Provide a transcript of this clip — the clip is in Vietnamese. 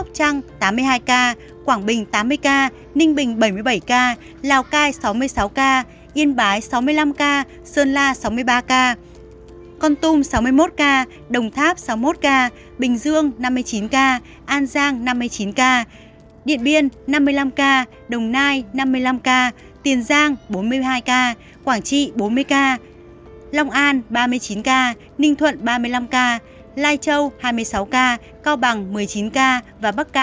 phú thọ một trăm sáu mươi tám ca đắk nông một trăm năm mươi tám ca đắk nông một trăm năm mươi tám ca đắk nông một trăm năm mươi tám ca yên bái sáu mươi năm ca yên bái sáu mươi năm ca sơn la sáu mươi ba ca con tùm sáu mươi một ca đồng tháp sáu mươi một ca bình dương năm mươi chín ca an giang năm mươi chín ca điện biên năm mươi năm ca đồng nai năm mươi năm ca tiền giang bốn mươi hai ca quảng trị bốn mươi ca long an ba mươi chín ca ninh thuận ba mươi năm ca lai châu hai mươi sáu ca cao bằng một mươi chín ca bắc cạn một mươi bốn ca